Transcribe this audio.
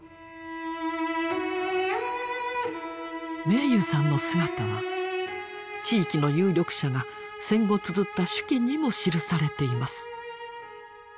明勇さんの姿は地域の有力者が戦後つづった手記にも記されています。